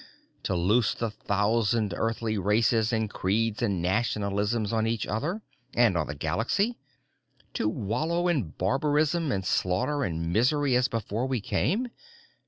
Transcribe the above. To loose the thousand Earthly races and creeds and nationalisms on each other and on the Galaxy to wallow in barbarism and slaughter and misery as before we came?